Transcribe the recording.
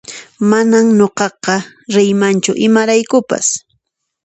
Manan nuqaqa riymanchu imaraykupas